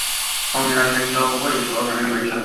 憧憬的声优为泽城美雪。